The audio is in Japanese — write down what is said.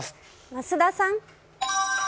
増田さん。